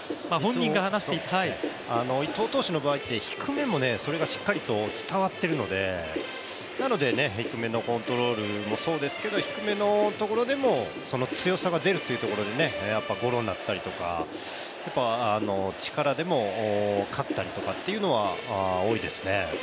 伊藤投手の場合って低めもそれがしっかりと伝わっているのでなので低めのコントロールもそうですけど低めのところでも強さが出るっていうところでやっぱりゴロになったりとか、力でも勝ったりとかというのは多いですね。